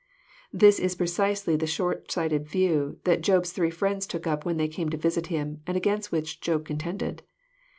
This was precisely the short sighted view that Job's three fk'iends took up when they came to visit him, and against which Job contended.